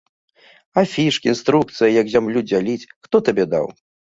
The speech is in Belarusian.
Афішкі, інструкцыя, як зямлю дзяліць, хто табе даў?